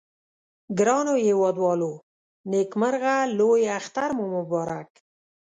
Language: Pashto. ګرانو هیوادوالو نیکمرغه لوي اختر مو مبارک